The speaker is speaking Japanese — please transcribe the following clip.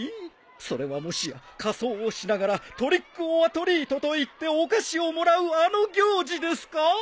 それはもしや仮装をしながらトリックオアトリートと言ってお菓子をもらうあの行事ですか？